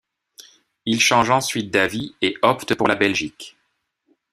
Il change ensuite d'avis et opte pour la Belgique.